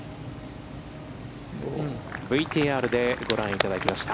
ＶＴＲでご覧いただきました。